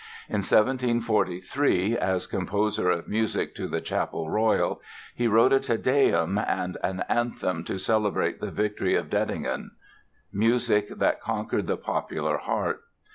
In 1743, as Composer of Music to the Chapel Royal, he wrote a "Te Deum" and an anthem to celebrate the victory of Dettingen, music that conquered the popular heart.